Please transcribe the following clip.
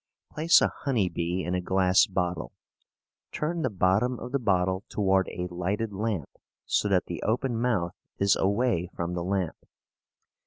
Place a honey bee in a glass bottle. Turn the bottom of the bottle toward a lighted lamp so that the open mouth is away from the lamp.